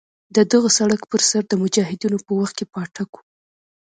د دغه سړک پر سر د مجاهدینو په وخت کې پاټک وو.